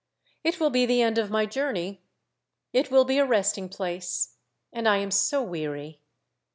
It will be the end of my journey, it will be. a resting place. And I am so weary.